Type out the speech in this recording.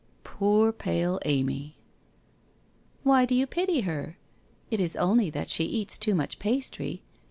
' Poor pale Amy !' 'Why do you pity her? It is only that she eats too much pastry.